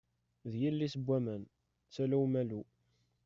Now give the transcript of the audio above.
D yelli-s n waman, d tala Umalu.